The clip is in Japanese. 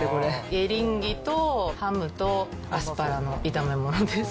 エリンギとハムとアスパラの炒め物です。